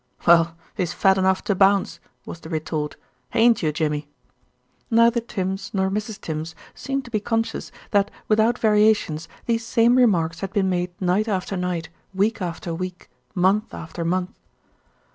"Well, he's fat enough to bounce," was the retort. "Ain't you, Jimmy?" Neither Tims nor Mrs. Tims seemed to be conscious that without variations these same remarks had been made night after night, week after week, month after month.